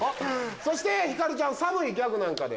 そしてひかるちゃん「サムいギャグなんかで」。